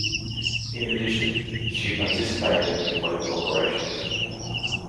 In addition, she participated in local operations.